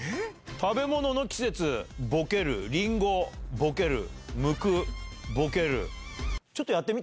食べ物の季節、ボケる、りんご、ボケる、むく、ボケる。